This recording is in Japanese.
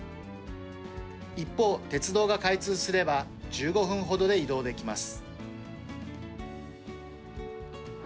一方、鉄道が開通すれば１５分ほどで移動できます。